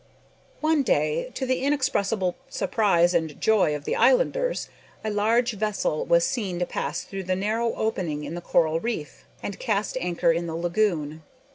One day, to the inexpressible surprise and joy of the islanders, a large vessel was seen to pass through the narrow opening in the coral reef, and cast anchor in the lagoon.